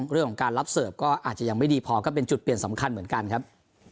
เรื่องของการรับเสิร์ฟก็อาจจะยังไม่ดีพอก็เป็นจุดเปลี่ยนสำคัญเหมือนกันครับ